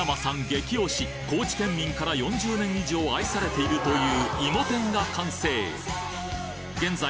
激推し高知県民から４０年以上愛されているといういも天が完成現在